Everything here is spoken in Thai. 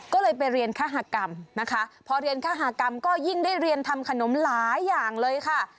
ก็เลยไปเรียนคหากรรมนะคะพอเรียนคหากรรมก็ยิ่งได้เรียนทำขนมหลายอย่างเลยค่ะ